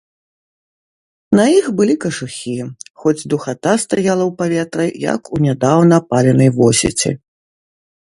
На іх былі кажухі, хоць духата стаяла ў паветры, як у нядаўна паленай восеці.